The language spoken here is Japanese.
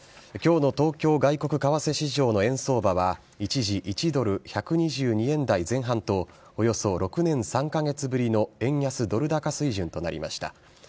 今日の東京外国為替市場の円相場は一時１ドル１２２円台前半とおよそ６年３カ月ぶりの円安ドル高水準となりました。